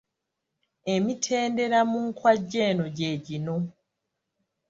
Emitendera mu nkwajja eno gye gino.